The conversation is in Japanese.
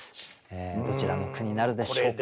どちらの句になるでしょうか。